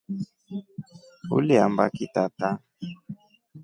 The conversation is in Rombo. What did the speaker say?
Uliambaki tata?